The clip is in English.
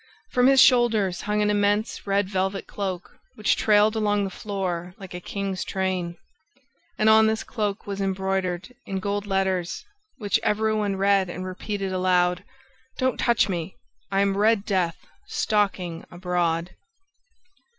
From his shoulders hung an immense red velvet cloak, which trailed along the floor like a king's train; and on this cloak was embroidered, in gold letters, which every one read and repeated aloud, "Don't touch me! I am Red Death stalking abroad!"